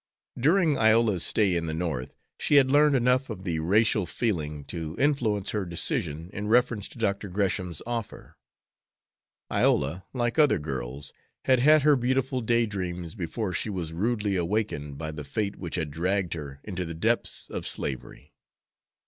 During Iola's stay in the North, she had learned enough of the racial feeling to influence her decision in reference to Dr. Gresham's offer. Iola, like other girls, had had her beautiful day dreams before she was rudely awakened by the fate which had dragged her into the depths of slavery.